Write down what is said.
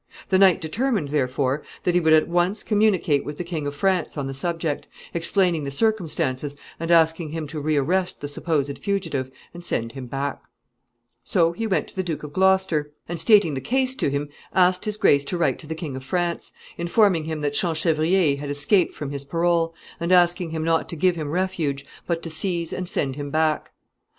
The knight determined, therefore, that he would at once communicate with the King of France on the subject, explaining the circumstances, and asking him to rearrest the supposed fugitive and send him back. [Sidenote: Gloucester writes to the King of France.] So he went to the Duke of Gloucester, and, stating the case to him, asked his grace to write to the King of France, informing him that Champchevrier had escaped from his parole, and asking him not to give him refuge, but to seize and send him back.